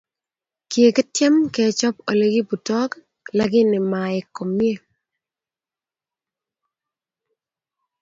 Kikityem kechob olekibutok lakini maek komye